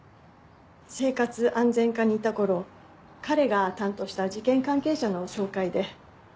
生活安全課にいた頃彼が担当した事件関係者の紹介で。